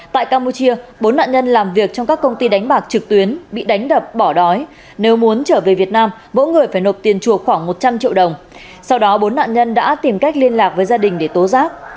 tại campuchia bốn nạn nhân làm việc trong các công ty đánh bạc trực tuyến bị đánh đập bỏ đói nếu muốn trở về việt nam mỗi người phải nộp tiền chuộc khoảng một trăm linh triệu đồng sau đó bốn nạn nhân đã tìm cách liên lạc với gia đình để tố giác